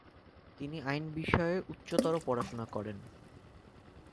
তিনি আইন বিষয়ে উচ্চতর পড়াশোনা শুরু করেন।